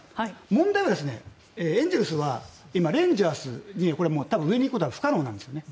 問題は、エンゼルスは今レンジャーズより多分、上に行くことは不可能なんですね。